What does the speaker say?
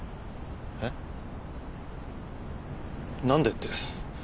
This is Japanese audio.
えっ？何でって。